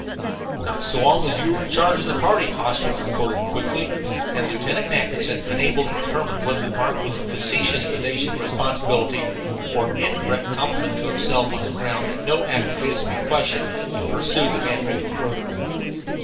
"Not so long as you were in charge of the party," Hoskins retorted quickly. And Lieutenant Mackinson, unable to determine whether the remark was a facetious evasion of responsibility or an indirect compliment to himself, on the ground that no act of his would be questioned, pursued his bantering no further.